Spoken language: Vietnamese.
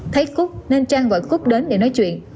thấy cúc nên trang gọi cúc đến để nói chuyện